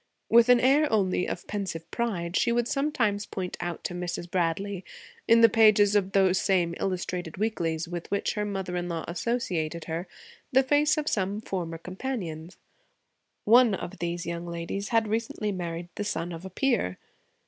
With an air only of pensive pride she would sometimes point out to Mrs. Bradley, in the pages of those same illustrated weeklies with which her mother in law associated her, the face of some former companion. One of these young ladies had recently married the son of a peer.